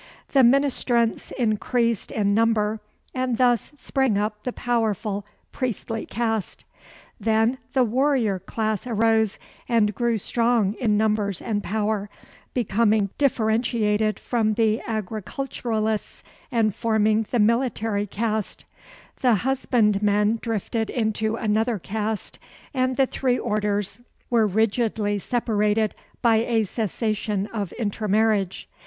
The ministrants increased in number, and thus sprang up the powerful priestly caste. [Footnote 23: Translated from the French by Chauncey C. Starkweather.] Then the warrior class arose and grew strong in numbers and power, becoming differentiated from the agriculturists, and forming the military caste. The husbandmen drifted into another caste, and the three orders were rigidly separated by a cessation of intermarriage.